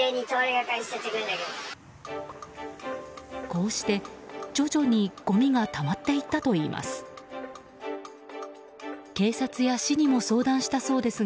こうして徐々にごみがたまっていったといいます。